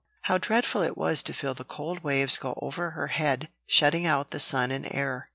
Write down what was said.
How dreadful it was to feel the cold waves go over her head, shutting out the sun and air!